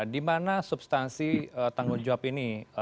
di mana substansi tanggung jawab ini